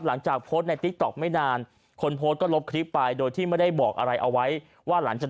หลังจากโพสต์ในติ๊กต๊อกไม่นานคนโพสต์ก็ลบคลิปไปโดยที่ไม่ได้บอกอะไรเอาไว้ว่าหลังจาก